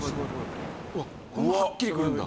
うわっこんなはっきり来るんだ。